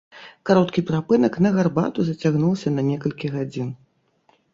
Кароткі перапынак на гарбату зацягнуўся на некалькі гадзін.